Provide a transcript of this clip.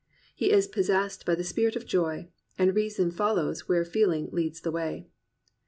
He is possessed by the spirit of joy, and reason follows where feeUng leads the way.